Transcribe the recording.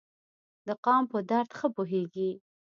د قام په درد ښه پوهیږي.